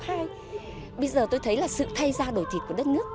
bây giờ tôi thấy là sự thay ra đổi thịt của đất nước